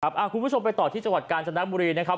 คุณผู้ชมไปต่อที่จังหวัดกาญจนบุรีนะครับ